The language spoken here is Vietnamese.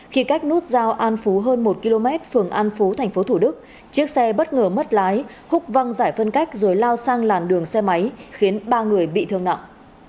khi cách nút giao an phú hơn một km phường an phú tp thủ đức chiếc xe bất ngờ mất lái húc văng giải phân cách rồi lao sang làn đường xe máy khiến ba người bị thương nặng